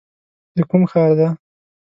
د کوم ښار دی ؟